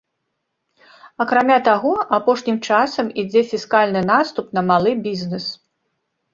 Акрамя таго, апошнім часам ідзе фіскальны наступ на малы бізнес.